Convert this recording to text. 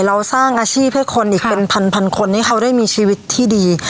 เราสร้างอาชีพให้คนอีกเป็นพันคนให้เขาได้มีชีวิตที่ดี